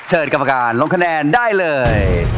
กรรมการลงคะแนนได้เลย